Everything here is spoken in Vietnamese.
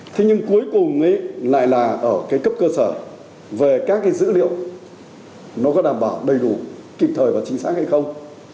thế nhưng cuối cùng lại là ở cấp cơ sở về các dữ liệu nó có đảm bảo đầy đủ kịp thời và chính xác hay không